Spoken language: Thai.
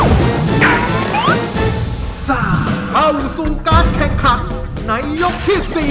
เข้าสู่การแข่งขันในยกที่๔